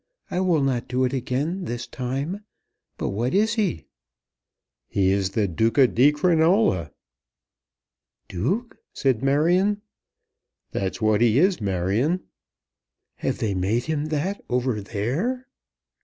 I will not do it again this time. But what is he?" "He is the Duca di Crinola." "Duke!" said Marion. "That's what he is, Marion." "Have they made him that over there?"